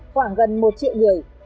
khoảng gần một triệu người